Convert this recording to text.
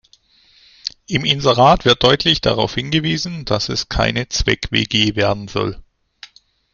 Im Inserat wird deutlich darauf hingewiesen, dass es keine Zweck-WG werden soll.